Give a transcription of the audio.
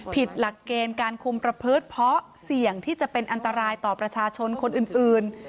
หลักเกณฑ์การคุมประพฤติเพราะเสี่ยงที่จะเป็นอันตรายต่อประชาชนคนอื่น